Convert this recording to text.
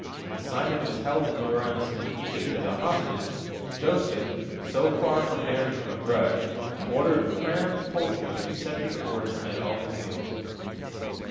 When Simon was held in durance in Egypt as a hostage, Joseph, so far from bearing him a grudge, ordered crammed poultry to be set before him at all his meals.